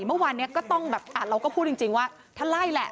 เมื่อวานนี้ก็ต้องแบบเราก็พูดจริงว่าท่านไล่แหละ